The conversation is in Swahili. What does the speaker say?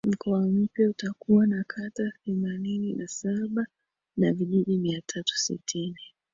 mkoa mpya utakuwa na Kata themanini na saba na vijiji mia tatu sitini